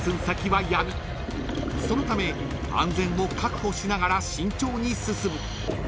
［そのため安全を確保しながら慎重に進む］